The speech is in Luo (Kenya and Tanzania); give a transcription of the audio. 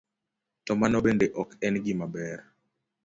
To mano bende ok en gima ber.